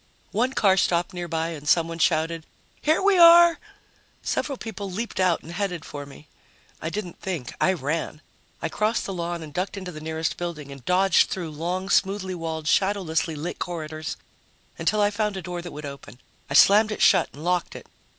One car stopped nearby and someone shouted, "Here we are!" Several people leaped out and headed for me. I didn't think. I ran. I crossed the lawn and ducked into the nearest building and dodged through long, smoothly walled, shadowlessly lit corridors until I found a door that would open. I slammed it shut and locked it.